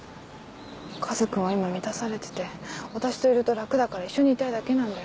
カズくんは今満たされてて私といると楽だから一緒にいたいだけなんだよ。